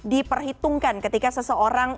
diperhitungkan ketika seseorang